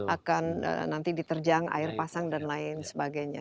akan nanti diterjang air pasang dan lain sebagainya